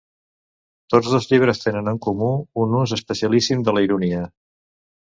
Tots dos llibres tenen en comú un ús especialíssim de la ironia.